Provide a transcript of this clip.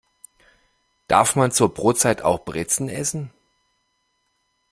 Darf man zur Brotzeit auch Brezen essen?